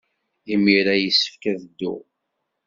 Imir-a yessefk ad dduɣ.